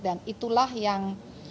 dan itulah yang